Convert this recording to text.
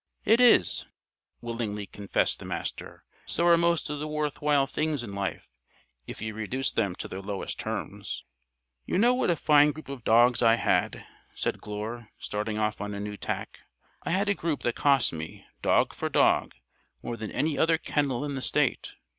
"It is," willingly confessed the Master. "So are most of the worth while things in life, if you reduce them to their lowest terms." "You know what a fine group of dogs I had," said Glure, starting off on a new tack. "I had a group that cost me, dog for dog, more than any other kennel in the state.